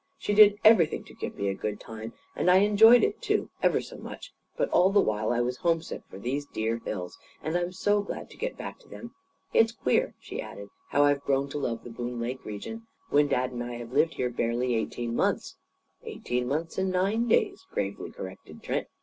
She did everything to give me a good time. And I enjoyed it, too, ever so much. But all the while I was homesick for these dear hills. And I'm so glad to get back to them! It's queer," she added, "how I've grown to love this Boone Lake region; when dad and I have lived here barely eighteen months." "Eighteen months and nine days," gravely corrected Trent.